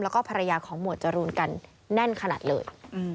แล้วก็ภรรยาของหมวดจรูนกันแน่นขนาดเลย